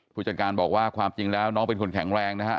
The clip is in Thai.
ผู้จัดการบอกว่าความจริงแล้วน้องเป็นคนแข็งแรงนะฮะ